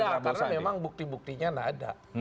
iya karena memang bukti buktinya tidak ada